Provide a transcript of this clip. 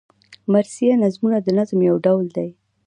مرثیه نظمونه د نظم یو ډول دﺉ.